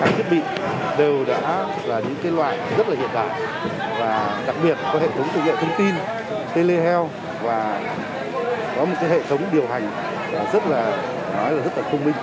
rất là nói là rất là thông minh